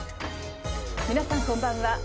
皆さんこんばんは。